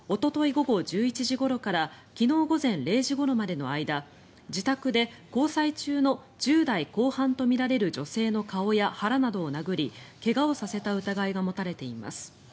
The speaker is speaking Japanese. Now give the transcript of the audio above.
午後１１時ごろから昨日午前０時ごろまでの間自宅で交際中の１０代後半とみられる女性の腹や顔などを殴り怪我をさせた疑いが持たれています。